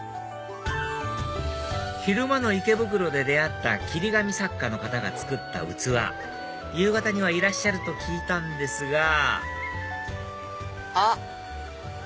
昼間の池袋で出会った切り紙作家の方が作った器夕方にはいらっしゃると聞いたんですがあっ！